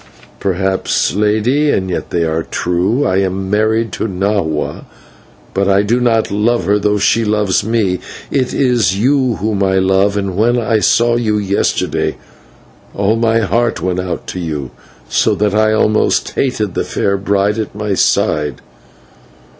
"Perhaps, Lady, and yet they are true. I am married to Nahua, but I do not love her, though she loves me. It is you whom I love, and when I saw you yesterday all my heart went out to you, so that I almost hated the fair bride at my side."